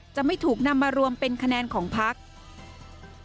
จะไม่ถูกนำมารวมเป็นคะแนนของพัก